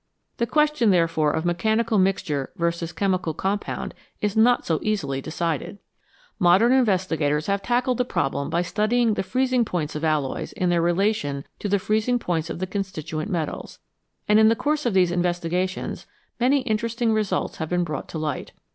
The question, therefore, of mechanical mixture v. chemical compound is not so easily decided. Modern investigators have tackled the problem by studying the freezing points of alloys in their relation to the freezing points of the constituent metals, and in the course of these investigations many interesting results have been brought to light.